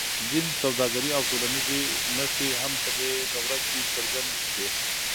دین، سوداګري او ټولنیزې نښې هم په دې دوره کې څرګندې شوې.